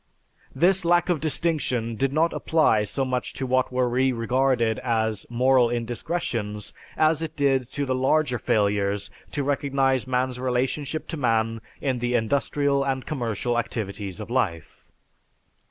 This lack of distinction did not apply so much to what were re regarded as moral indiscretions as it did to the larger failures to recognize man's relationship to man in the industrial and commercial activities of life.